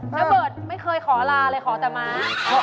ระเบิดไม่เคยขอลาเลยขอแต่ม้า